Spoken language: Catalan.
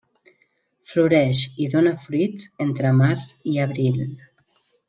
Floreix i dóna fruits entre març i abril.